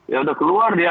ya sudah keluar dia